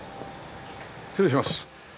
失礼します。